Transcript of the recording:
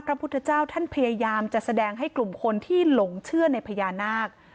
พระพุทธเจ้าท่านพยายามจะแสดงให้กลุ่มคนที่หลงเชื่อในพญานาค